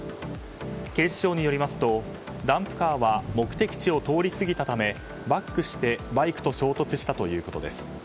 警視庁によりますとダンプカーは目的地を通り過ぎたためバックしてバイクと衝突したということです。